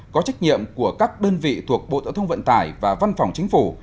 có trách nhiệm của các đơn vị thuộc bộ tổ thông vận tài và văn phòng chính phủ